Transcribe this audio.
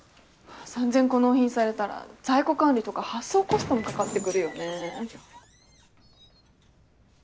３０００個納品されたら在庫管理とか発送コストもかかってくるよね。